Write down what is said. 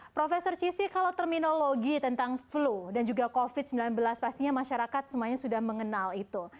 profesor cissy kalau terminologi tentang flu dan juga covid sembilan belas pastinya masyarakat semuanya sudah mengenal itu